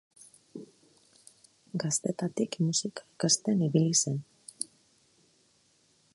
Gaztetatik musika ikasten ibili zen.